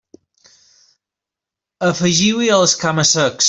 Afegiu-hi els cama-secs.